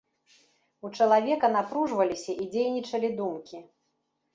У чалавека напружваліся і дзейнічалі думкі.